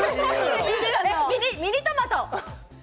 ミニトマト。